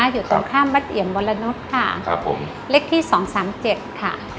อยู่ตรงข้ามวัดเอี่ยมวรนุษย์ค่ะครับผมเลขที่สองสามเจ็ดค่ะ